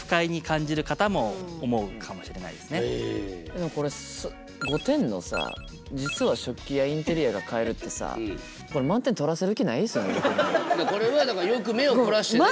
でもこれ５点のさ「実は食器やインテリアが買える」ってさこれこれはだからよく目を凝らして。